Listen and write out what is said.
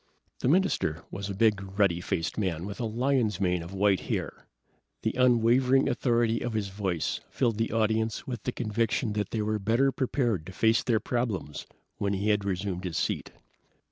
The minister was a big, ruddy faced man with a lion's mane of white hair. The unwavering authority of his voice filled the audience with the conviction that they were better prepared to face their problems when he had resumed his seat.